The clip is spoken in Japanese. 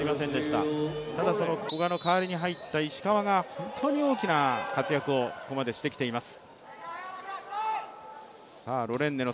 ただ、古賀の代わりに入った石川が本当に大きな活躍をここまでしてきています。